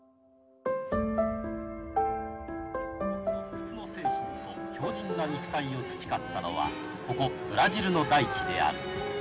不屈の精神と強じんな肉体を培ったのはここブラジルの大地である。